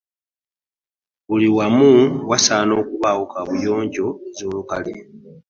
Buli wamu wasaana okubaawo kaabuyonjo ez'olukale.